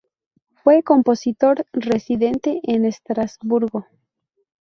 Fue compositor residente en Estrasburgo.